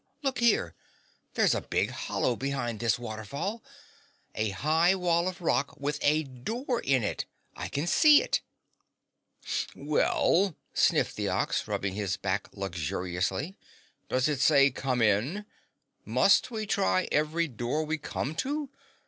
Look here! There's a big hollow behind this waterfall a high wall of rock with a door in it! I can see it!" "Well," sniffed the Ox, rubbing his back luxuriously, "does it say 'come in'? Must we try every door we come to?"